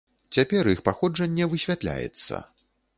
Цяпер іх паходжанне высвятляецца.